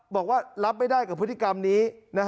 บอกว่ารับไม่ได้กับพฤติกรรมนี้